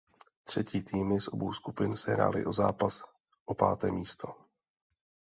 Třetí týmy z obou skupin sehrály o zápas o páté místo.